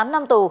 tám năm tù